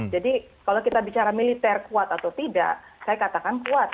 jadi kalau kita bicara militer kuat atau tidak saya katakan kuat